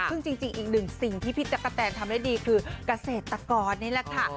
ซึ่งจริงอีกหนึ่งสิ่งที่พี่ตั๊กกะแตนทำได้ดีคือเกษตรกรนี่แหละค่ะ